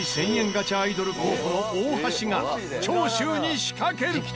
ガチャアイドル候補の大橋が長州に仕掛ける！